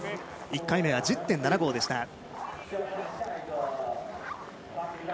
１回目は１０．７５でした。